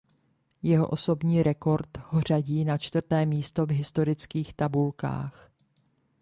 Jeho osobní rekord ho řadí na čtvrté místo v historických tabulkách.